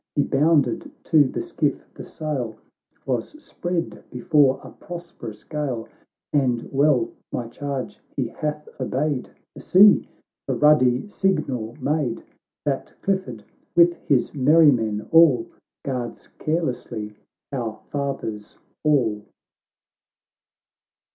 He bounded to the skiff, the sail Was spread before a prosperous gale, And well my charge he hath obeyed ; For, see ! the ruddy signal made, That Clifford, with his merry men all, Guards carelessly our father's hall."